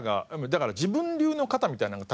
だから自分流の型みたいなのが。